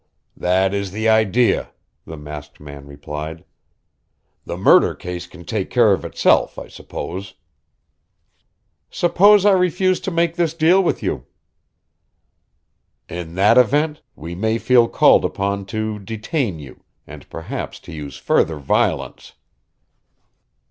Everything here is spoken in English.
"That is the idea," the masked man replied. "The murder case can take care of itself, I suppose." "Suppose I refuse to make this deal with you?" "In that event, we may feel called upon to detain you and perhaps to use further violence."